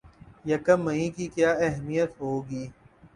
یکم مئی کی کیا اہمیت ہوگی